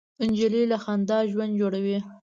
نجلۍ له خندا ژوند جوړوي.